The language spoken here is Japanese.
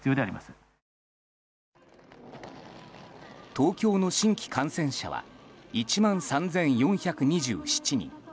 東京の新規感染者は１万３４２７人。